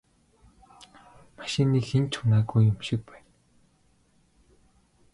Машиныг хэн ч унаагүй юм шиг байна.